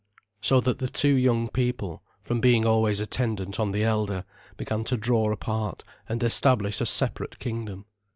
So that the two young people, from being always attendant on the elder, began to draw apart and establish a separate kingdom.